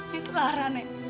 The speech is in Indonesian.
yaitu lara nek